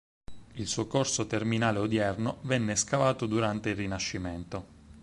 Il suo corso terminale odierno venne scavato durante il rinascimento.